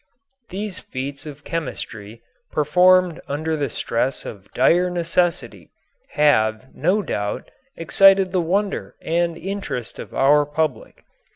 These feats of chemistry, performed under the stress of dire necessity, have, no doubt, excited the wonder and interest of our public.